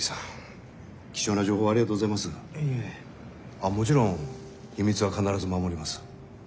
あっもちろん秘密は必ず守ります。